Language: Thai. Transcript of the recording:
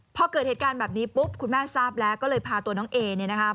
พอเกิดเหตุการณ์แบบนี้ปุ๊บคุณแม่ทราบแล้วก็เลยพาตัวน้องเอเนี่ยนะคะ